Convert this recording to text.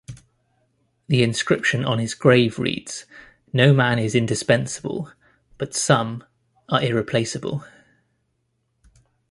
The inscription on his grave reads, No man is indispensable but some are irreplaceable.